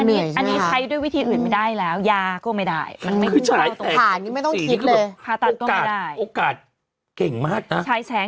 เหนื่อยมันก็เหนื่อยใช่ไหมครับ